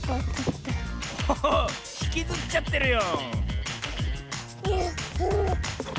おおっひきずっちゃってるよ